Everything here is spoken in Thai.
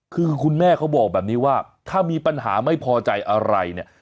คือคุณแม่เขาบอกแบบนี้ว่าถ้ามีปัญหาไม่พอใจอะไรเนี่ย